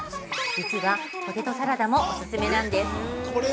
実は、ポテトサラダもオススメなんです。